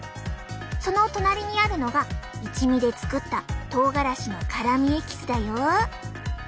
その隣にあるのが一味で作ったとうがらしの辛みエキスだよ。